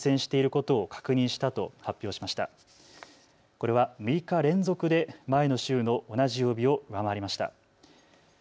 これは６日連続で前の週の同じ曜日を上回りました。